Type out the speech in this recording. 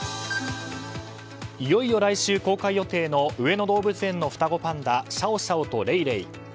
いよいよ来週公開予定の上野動物園の双子パンダシャオシャオとレイレイ。